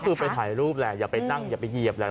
ก็คือไปถ่ายรูปแหละอย่าไปนั่งอย่าไปเหยียบแหละ